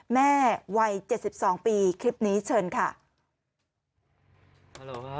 แม่วัย๗๒ปีคลิปนี้เชิญค่ะ